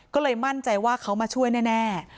ก็เลยมั่นใจว่าเขามาช่วยแน่